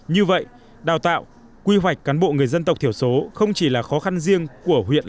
như vậy đào tạo quy hoạch cán bộ người dân tộc thiểu số không chỉ là khó khăn riêng của huyện